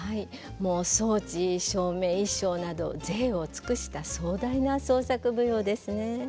もう装置照明衣装など贅を尽くした壮大な創作舞踊ですね。